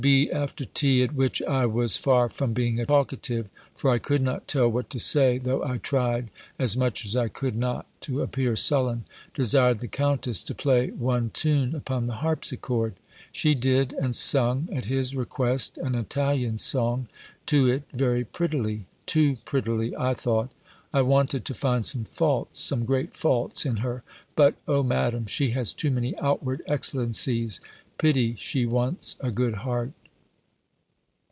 B. after tea, at which I was far from being talkative (for I could not tell what to say, though I tried, as much as I could not to appear sullen), desired the Countess to play one tune upon the harpsichord. She did, and sung, at his request, an Italian song to it very prettily; too prettily, I thought. I wanted to find some faults, some great faults in her: but, O Madam, she has too many outward excellencies! pity she wants a good heart.